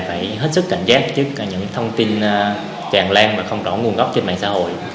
phải hết sức cảnh giác trước những thông tin tràn lan và không rõ nguồn gốc trên mạng xã hội